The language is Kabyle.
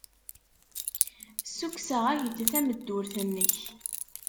Ssukkseɣ-ak-d tameddurt-nnek.